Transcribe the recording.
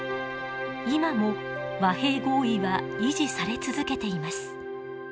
今も和平合意は維持され続けています。